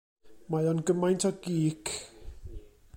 Mae o'n gymaint o gîc.